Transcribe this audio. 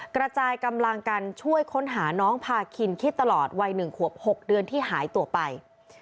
กระจายกำลังกันช่วยค้นหาน้องพาคินคิดตลอดวัย๑ขวบ๖เดือนที่หายตัวไป